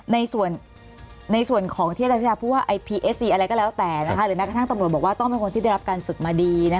ในส่วนในส่วนของที่จะพูดว่าอะไรก็แล้วแต่นะคะหรือแม้กระทั่งตำรวจบอกว่าต้องเป็นคนที่ได้รับการฝึกมาดีนะคะ